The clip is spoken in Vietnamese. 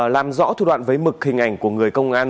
làm rõ thu đoạn với mực hình ảnh của người công an